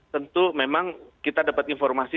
tentu memang kita dapat informasi